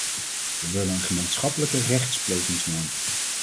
We willen een gemeenschappelijke rechtsplegingsnorm.